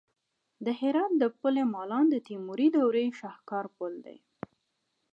د هرات د پل مالان د تیموري دورې شاهکار پل دی